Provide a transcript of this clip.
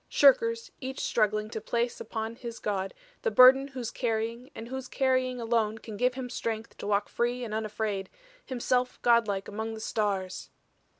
Shirkers each struggling to place upon his god the burden whose carrying and whose carrying alone can give him strength to walk free and unafraid, himself godlike among the stars."